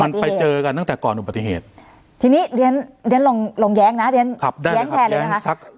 มันไปเจอกันตั้งแต่ก่อนอุบัติเหตุทีนี้เรียนลองแย้งนะเรียนแย้งแทนเลยนะคะ